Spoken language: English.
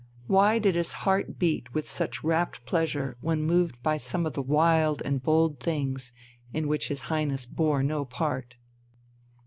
Why did his heart beat with such rapt pleasure, when moved by some of the wild and bold things in which his Highness bore no part?"